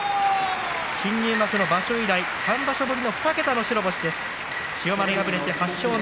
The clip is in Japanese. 新入幕の場所以来３場所ぶりの２桁の白星です。